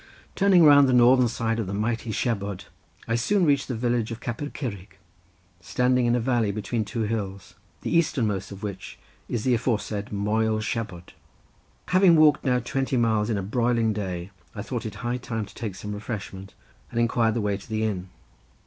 Turning round the northern side of the mighty Siabod I soon reached the village of Capel Curig, standing in a valley between two hills, the easternmost of which is the aforesaid Moel Siabod. Having walked now twenty miles in a broiling day I thought it high time to take some refreshment, and inquired the way to the inn.